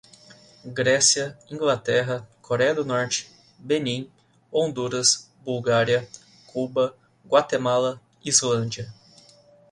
Grécia, Inglaterra, Coreia do Norte, Benim, Honduras, Bulgária, Cuba, Guatemala, Islândia